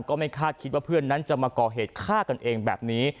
ก็ไม่คาดคิดว่าเพื่อนนั้นจะมาก่อเหตุฆ่ากันเองแบบนี้